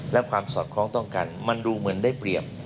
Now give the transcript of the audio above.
และความสอดคล้องต้องกันมันดูเหมือนได้เปรียบ